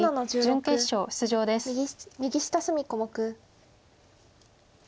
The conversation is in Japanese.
準決勝出場です。